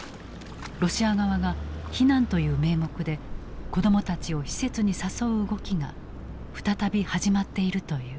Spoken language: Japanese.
ロシア側が避難という名目で子どもたちを施設に誘う動きが再び始まっているという。